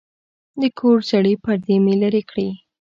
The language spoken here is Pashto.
د کور زړې پردې مې لرې کړې.